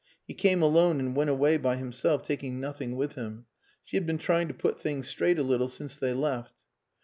He came alone and went away by himself, taking nothing with him. She had been trying to put things straight a little since they left.